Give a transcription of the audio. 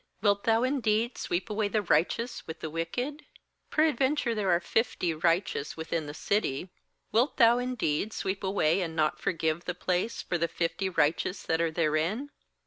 'Wilt Thou indeed sweep away the righteous with the wicked? 24Perad venture there are fifty righteous within the city; wilt Thou indeed sweep away and not forgive the place for the fifty righteous that are therein?